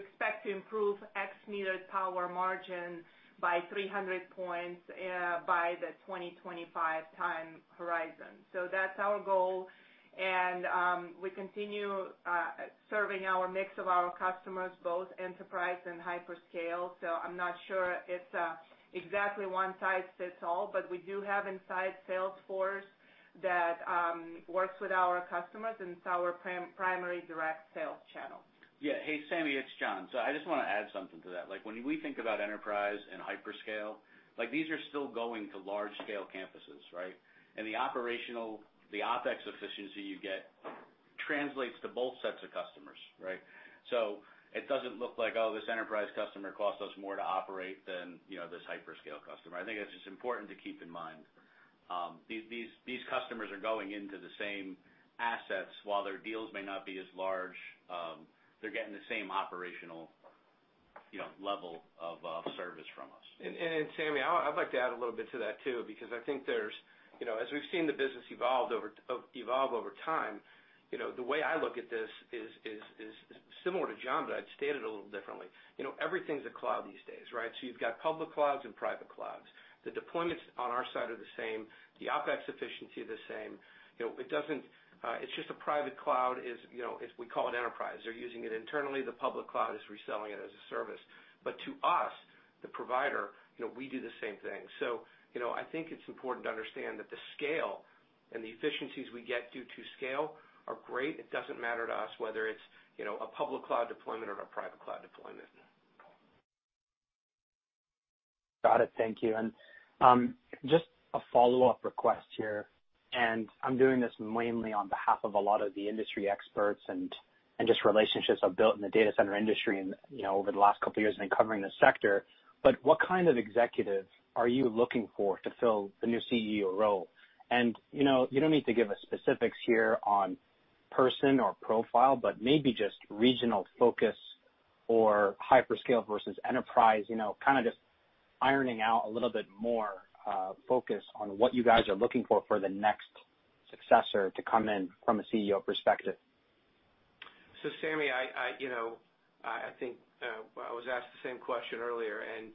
expect to improve ex-metered power margin by 300 points by the 2025 time horizon. That's our goal. We continue serving our mix of customers, both enterprise and hyperscale. I'm not sure it's exactly one size fits all, but we do have inside sales force that works with our customers, and it's our primary direct sales channel. Hey, Sami, it's John. I just want to add something to that. When we think about enterprise and hyperscale, these are still going to large-scale campuses, right? The OpEx efficiency you get translates to both sets of customers, right? It doesn't look like this enterprise customer costs us more to operate than this hyperscale customer. I think that's just important to keep in mind. These customers are going into the same assets. While their deals may not be as large, they're getting the same operational level of service from us. Sami, I'd like to add a little bit to that, too, because I think as we've seen the business evolve over time, the way I look at this is similar to John, but I'd state it a little differently. Everything's a cloud these days, right? You've got public clouds and private clouds. The deployments on our side are the same, the OpEx efficiency the same. It's just a private cloud is, we call it enterprise. They're using it internally. The public cloud is reselling it as a service. To us, the provider, we do the same thing. I think it's important to understand that the scale and the efficiencies we get due to scale are great. It doesn't matter to us whether it's a public cloud deployment or a private cloud deployment. Got it. Thank you. Just a follow-up request here, and I'm doing this mainly on behalf of a lot of the industry experts and just relationships I've built in the data center industry and over the last couple of years and in covering the sector. What kind of executives are you looking for to fill the new CEO role? You don't need to give us specifics here on person or profile, but maybe just regional focus or hyperscale versus enterprise. Kind of just ironing out a little bit more focus on what you guys are looking for for the next successor to come in from a CEO perspective. Sami, I think I was asked the same question earlier, and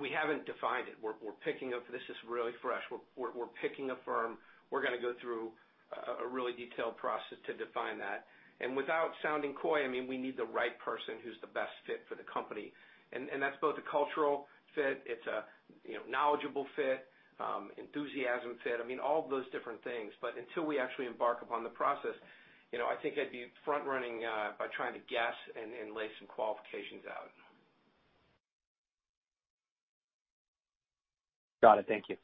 we haven't defined it. This is really fresh. We're picking a firm. We're going to go through a really detailed process to define that. Without sounding coy, we need the right person who's the best fit for the company. That's both a cultural fit, it's a knowledgeable fit, enthusiasm fit. All of those different things. Until we actually embark upon the process, I think I'd be front running by trying to guess and lay some qualifications out. Got it. Thank you.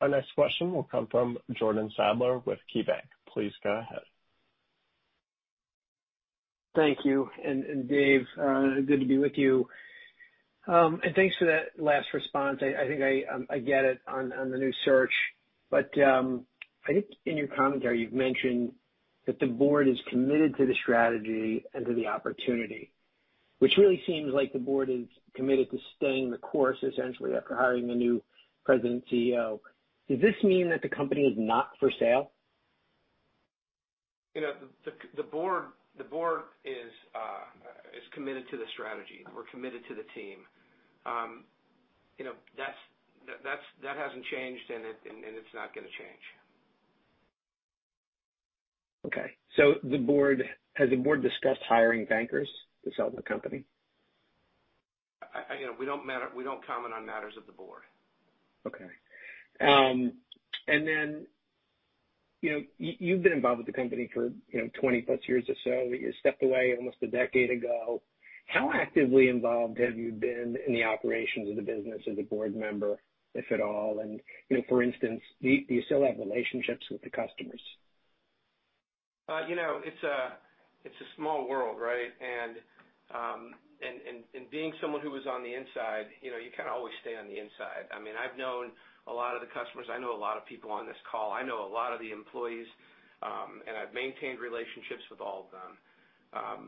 Our next question will come from Jordan Sadler with KeyBank. Please go ahead. Thank you. Dave, good to be with you. Thanks for that last response. I think I get it on the new search. I think in your commentary, you've mentioned that the board is committed to the strategy and to the opportunity, which really seems like the board is committed to staying the course essentially after hiring the new president CEO. Does this mean that the company is not for sale? The board is committed to the strategy. We're committed to the team. That hasn't changed. It's not going to change. Okay. Has the board discussed hiring bankers to sell the company? We don't comment on matters of the board. Okay. You've been involved with the company for 20 plus years or so. You stepped away almost a decade ago. How actively involved have you been in the operations of the business as a board member, if at all? For instance, do you still have relationships with the customers? It's a small world, right? Being someone who was on the inside, you kind of always stay on the inside. I've known a lot of the customers. I know a lot of people on this call. I know a lot of the employees, and I've maintained relationships with all of them.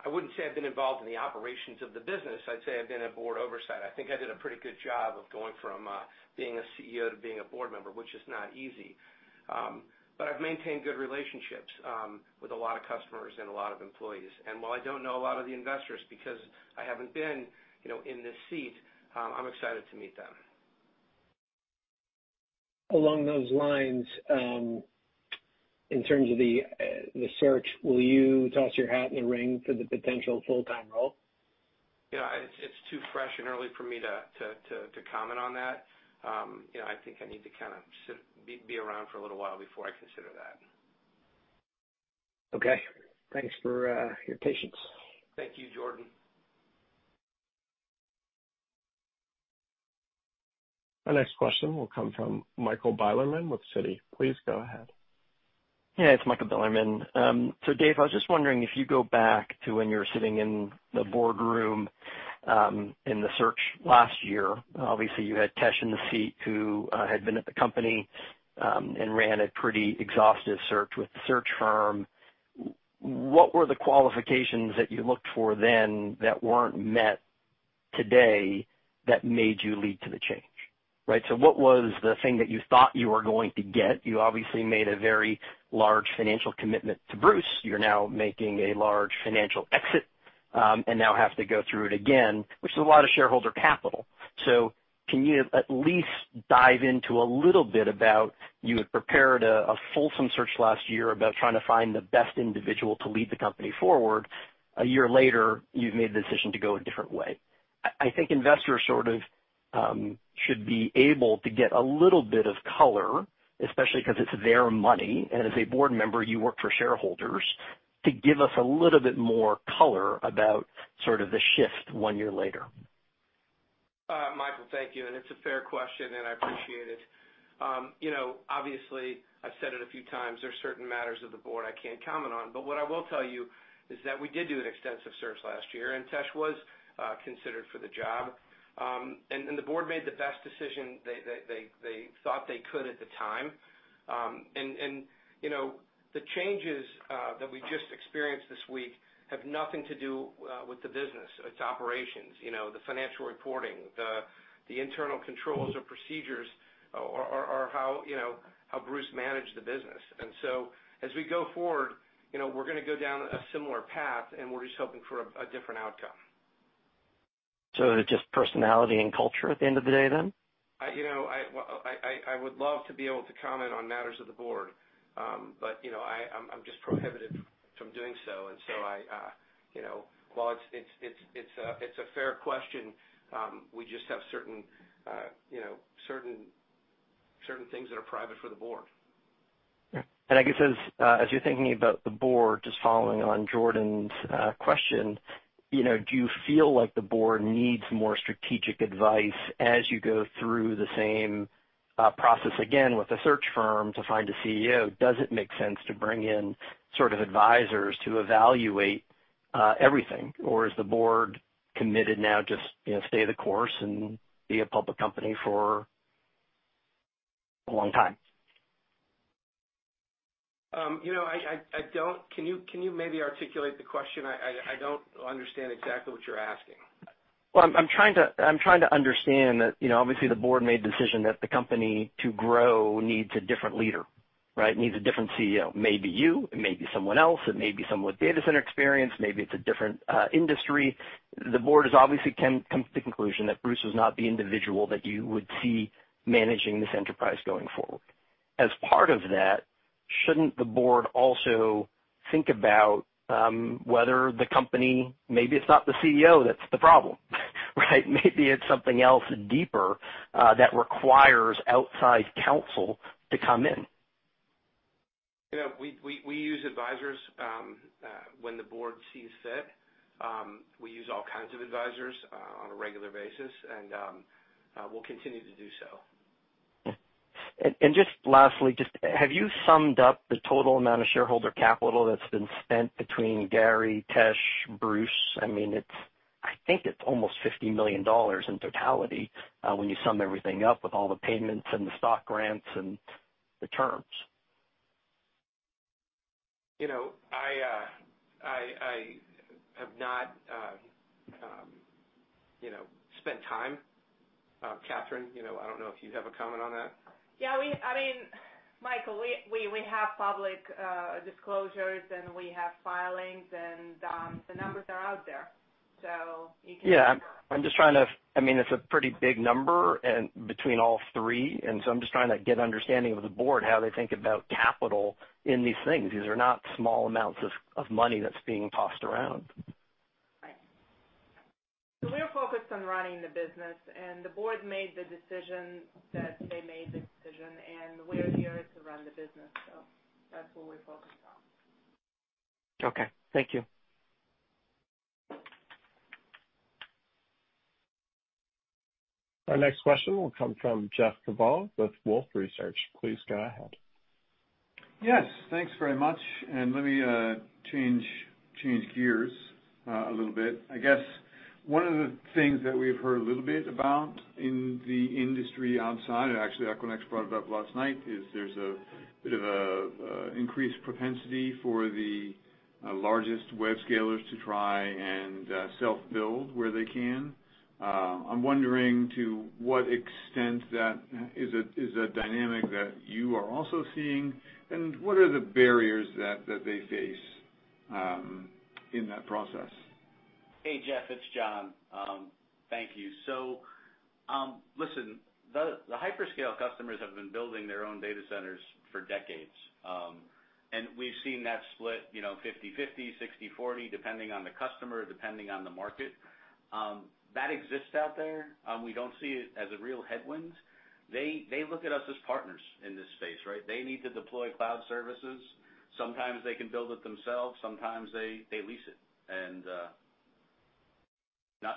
I wouldn't say I've been involved in the operations of the business. I'd say I've been at board oversight. I think I did a pretty good job of going from being a CEO to being a board member, which is not easy. I've maintained good relationships with a lot of customers and a lot of employees. While I don't know a lot of the investors because I haven't been in this seat, I'm excited to meet them. Along those lines, in terms of the search, will you toss your hat in the ring for the potential full-time role? It's too fresh and early for me to comment on that. I think I need to kind of be around for a little while before I consider that. Okay. Thanks for your patience. Thank you, Jordan. Our next question will come from Michael Bilerman with Citi. Please go ahead. Yeah, it's Michael Bilerman. Dave, I was just wondering if you go back to when you were sitting in the boardroom, in the search last year. Obviously, you had Tesh in the seat who had been at the company, and ran a pretty exhaustive search with the search firm. What were the qualifications that you looked for then that weren't met today that made you lead to the change, right? What was the thing that you thought you were going to get? You obviously made a very large financial commitment to Bruce. You're now making a large financial exit and now have to go through it again, which is a lot of shareholder capital. Can you at least dive into a little bit about, you had prepared a fulsome search last year about trying to find the best individual to lead the company forward. A year later, you've made the decision to go a different way. I think investors sort of should be able to get a little bit of color, especially because it's their money, and as a board member you work for shareholders, to give us a little bit more color about sort of the shift one year later. Michael, thank you. It's a fair question, and I appreciate it. Obviously, I've said it a few times, there's certain matters of the board I can't comment on. What I will tell you is that we did do an extensive search last year, and Tesh was considered for the job. The board made the best decision they thought they could at the time. The changes that we just experienced this week have nothing to do with the business, its operations, the financial reporting, the internal controls or procedures or how Bruce managed the business. As we go forward, we're going to go down a similar path, and we're just hoping for a different outcome. It's just personality and culture at the end of the day, then? I would love to be able to comment on matters of the board. I'm just prohibited from doing so. While it's a fair question, we just have certain things that are private for the board. I guess as you're thinking about the board, just following on Jordan's question, do you feel like the board needs more strategic advice as you go through the same process again with a search firm to find a CEO? Does it make sense to bring in sort of advisors to evaluate everything? Is the board committed now just stay the course and be a public company for a long time? Can you maybe articulate the question? I don't understand exactly what you're asking. Well, I'm trying to understand that, obviously, the board made the decision that the company to grow needs a different leader. Right? Needs a different CEO. Maybe you, it may be someone else, it may be someone with data center experience, maybe it's a different industry. The board has obviously come to the conclusion that Bruce was not the individual that you would see managing this enterprise going forward. As part of that, shouldn't the board also think about whether the company, maybe it's not the CEO that's the problem, right? Maybe it's something else deeper that requires outside counsel to come in. We use advisors when the board sees fit. We use all kinds of advisors on a regular basis, and we'll continue to do so. Just lastly, have you summed up the total amount of shareholder capital that's been spent between Gary, Tesh, Bruce? I think it's almost $50 million in totality when you sum everything up with all the payments and the stock grants and the terms. I have not spent time. Katherine, I don't know if you have a comment on that. Yeah. Michael, we have public disclosures, and we have filings, and the numbers are out there, so you can- Yeah. It's a pretty big number between all three, and so I'm just trying to get understanding of the board, how they think about capital in these things. These are not small amounts of money that's being tossed around. Right. We're focused on running the business, and the board made the decision that they made the decision, and we're here to run the business. That's what we're focused on. Okay. Thank you. Our next question will come from Jeff Kvaal with Wolfe Research. Please go ahead. Yes, thanks very much. Let me change gears a little bit. I guess one of the things that we've heard a little bit about in the industry outside, and actually Equinix brought it up last night, is there's a bit of increased propensity for the largest web scalers to try and self-build where they can. I'm wondering to what extent that is a dynamic that you are also seeing, and what are the barriers that they face in that process? Hey, Jeff, it's John. Thank you. Listen, the hyperscale customers have been building their own data centers for decades. We've seen that split 50/50, 60/40, depending on the customer, depending on the market. That exists out there. We don't see it as a real headwind. They look at us as partners in this space, right? They need to deploy cloud services. Sometimes they can build it themselves, sometimes they lease it.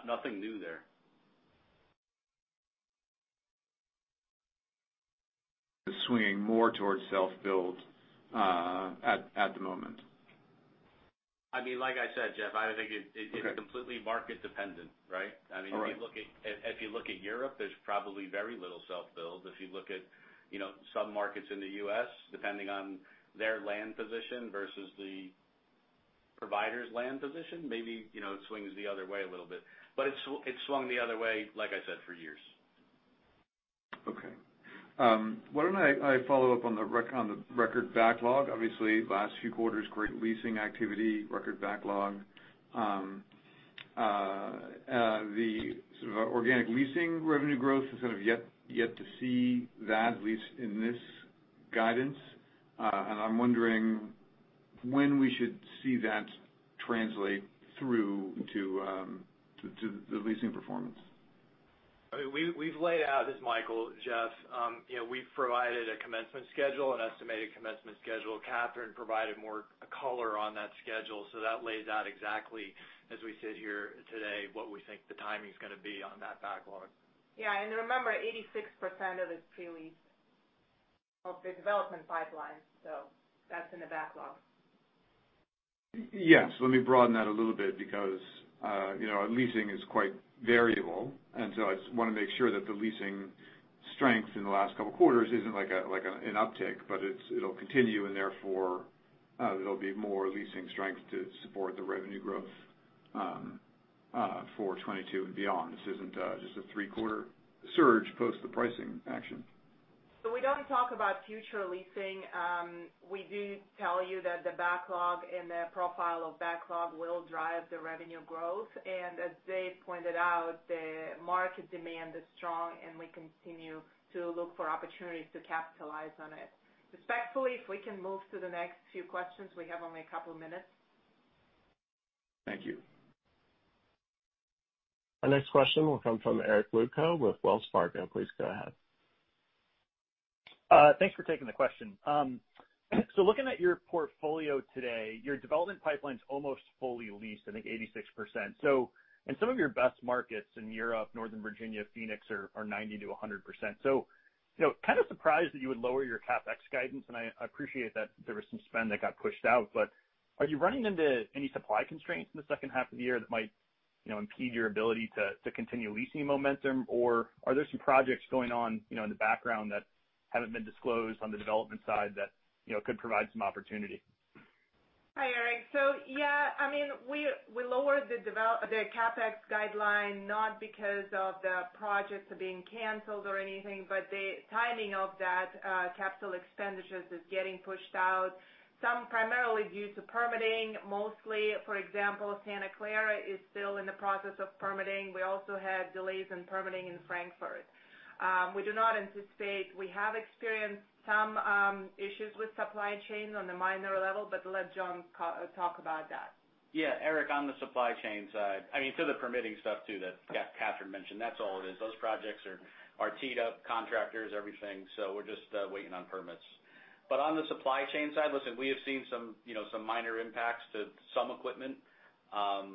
Nothing new there. It's swinging more towards self-build at the moment? Like I said, Jeff- Okay. -it's completely market dependent, right? All right. If you look at Europe, there's probably very little self-build. If you look at some markets in the U.S., depending on their land position versus the provider's land position, maybe it swings the other way a little bit. It swung the other way, like I said, for years. Why don't I follow up on the record backlog? Obviously, last few quarters, great leasing activity, record backlog. The organic leasing revenue growth is yet to see that, at least in this guidance. I'm wondering when we should see that translate through to the leasing performance. This is Michael, Jeff. We've provided a commencement schedule, an estimated commencement schedule. Katherine provided more color on that schedule, that lays out exactly as we sit here today, what we think the timing's going to be on that backlog. Yeah. Remember, 86% of it is pre-leased of the development pipeline, so that's in the backlog. Yes. Let me broaden that a little bit because our leasing is quite variable, and so I just want to make sure that the leasing strength in the last couple of quarters isn't like an uptick, but it'll continue and therefore, there'll be more leasing strength to support the revenue growth for 2022 and beyond. This isn't just a three-quarter surge post the pricing action. We don't talk about future leasing. We do tell you that the backlog and the profile of backlog will drive the revenue growth. As Dave pointed out, the market demand is strong, and we continue to look for opportunities to capitalize on it. Respectfully, if we can move to the next few questions, we have only couple minutes. Thank you. Our next question will come from Eric Luebchow with Wells Fargo. Please go ahead. Thanks for taking the question. Looking at your portfolio today, your development pipeline's almost fully leased, I think 86%. Some of your best markets in Europe, Northern Virginia, Phoenix are 90%-100%. Kind of surprised that you would lower your CapEx guidance, and I appreciate that there was some spend that got pushed out. Are you running into any supply constraints in the second half of the year that might impede your ability to continue leasing momentum? Are there some projects going on in the background that haven't been disclosed on the development side that could provide some opportunity? Hi, Eric. Yeah, we lowered the CapEx guideline, not because of the projects are being canceled or anything, but the timing of that capital expenditures is getting pushed out, some primarily due to permitting, mostly. For example, Santa Clara is still in the process of permitting. We also had delays in permitting in Frankfurt. We do not anticipate. We have experienced some issues with supply chains on a minor level, but let John talk about that. Yeah. Eric, on the supply chain side, so the permitting stuff too that Katherine mentioned, that's all it is. Those projects are teed up, contractors, everything. We're just waiting on permits. On the supply chain side, listen, we have seen some minor impacts to some equipment. Our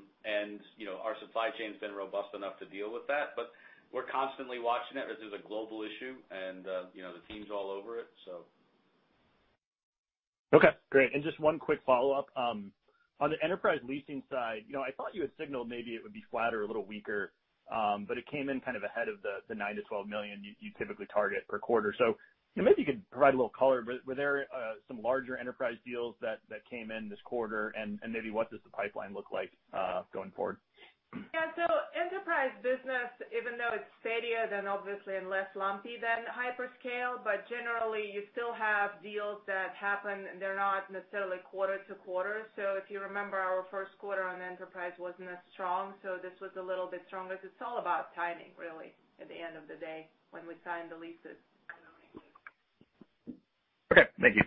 supply chain's been robust enough to deal with that, but we're constantly watching it as it's a global issue, and the team's all over it. Okay. Great. Just one quick follow-up. On the enterprise leasing side, I thought you had signaled maybe it would be flatter, a little weaker, but it came in ahead of the $9 million-$12 million you typically target per quarter. Maybe you could provide a little color. Were there some larger enterprise deals that came in this quarter? Maybe what does the pipeline look like going forward? Yeah. Enterprise business, even though it's steadier than obviously and less lumpy than hyperscale, but generally, you still have deals that happen. They're not necessarily quarter-to-quarter. If you remember, our first quarter on enterprise wasn't as strong, so this was a little bit stronger. It's all about timing, really, at the end of the day, when we sign the leases. Okay. Thank you.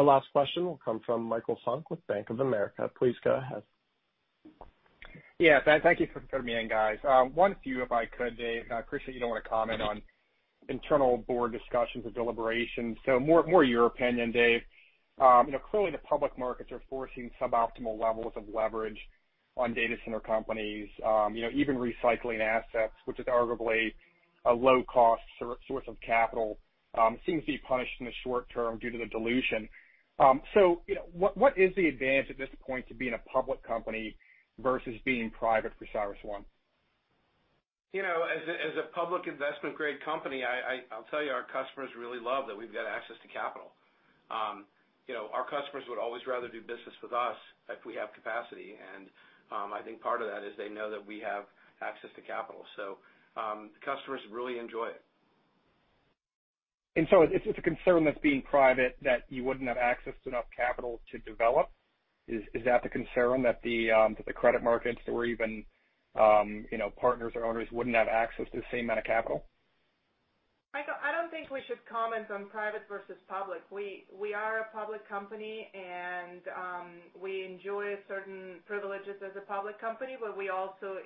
Our last question will come from Michael Funk with Bank of America. Please go ahead. Yeah. Thank you for fitting me in, guys. One few if I could, Dave. I appreciate you don't want to comment on internal board discussions or deliberations, so more your opinion, Dave. Clearly the public markets are forcing suboptimal levels of leverage on data center companies, even recycling assets, which is arguably a low cost source of capital. Seems to be punished in the short term due to the dilution. What is the advantage at this point to being a public company versus being private for CyrusOne? As a public investment grade company, I'll tell you, our customers really love that we've got access to capital. Our customers would always rather do business with us if we have capacity. I think part of that is they know that we have access to capital. The customers really enjoy it. It's a concern that being private, that you wouldn't have access to enough capital to develop? Is that the concern that the credit markets or even partners or owners wouldn't have access to the same amount of capital? Michael, I don't think we should comment on private versus public. We are a public company, and we enjoy certain privileges as a public company, but we also,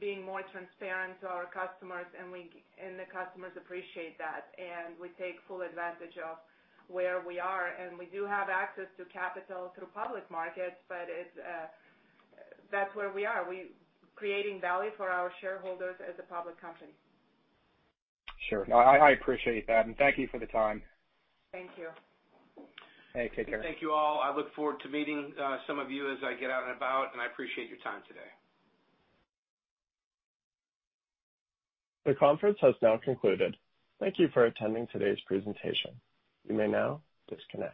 being more transparent to our customers, and the customers appreciate that. We take full advantage of where we are, and we do have access to capital through public markets, but that's where we are. We're creating value for our shareholders as a public company. Sure. No, I appreciate that, and thank you for the time. Thank you. Hey, take care. Thank you, all. I look forward to meeting some of you as I get out and about, and I appreciate your time today. The conference has now concluded. Thank you for attending today's presentation. You may now disconnect.